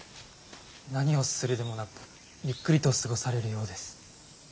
何をするでもなくゆっくりと過ごされるようです。